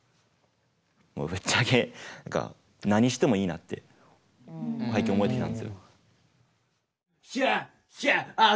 ぶっちゃけ何か何してもいいなって思えてきたんですよ。